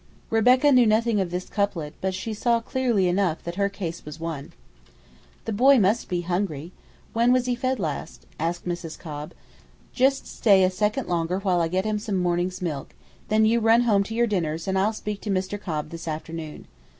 Rebecca knew nothing of this couplet, but she saw clearly enough that her case was won. "The boy must be hungry; when was he fed last?" asked Mrs. Cobb. "Just stay a second longer while I get him some morning's milk; then you run home to your dinners and I'll speak to Mr. Cobb this afternoon.